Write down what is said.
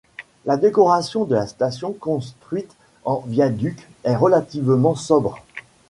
La décoration de la station, construite en viaduc, est relativement sobre.